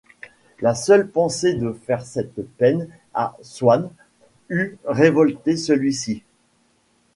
La seule pensée de faire cette peine à Swann eût révolté celui-ci.